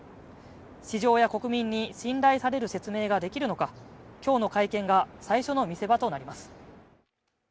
市場や国民に信頼される説明ができるのか、今日の会見が最初の見せ場となります。